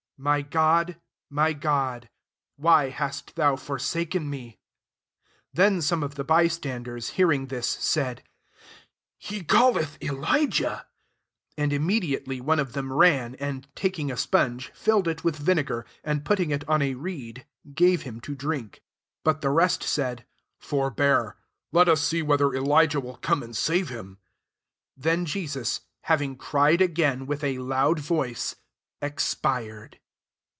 My God, my God, why hast thou forsaken me ? 47 Then some of the by standers, hearing r///«, said, «He calleth Elijah." 48 And immediately one of them ran, and taking a sponge, filled it with vinegar) suid putting it on a reed, gave hkn to drink. 49 But the rest said, ''Forbear: letua see whether Elijah will come and save him.'' 50 Then Jesus, having cried again with a loud voice, expired.